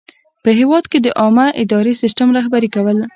په هیواد کې د عامه اداري سیسټم رهبري کول.